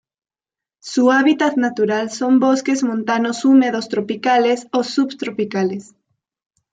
Su hábitat natural son bosques montanos húmedos tropicales o subtropicales.